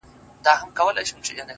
نن شپه بيا زه پيغور ته ناسته يمه،